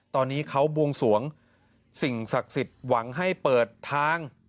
ตอนนี้เขาบวงสวงสิ่งศักดิ์สิทธิ์หวังให้เปิดทาง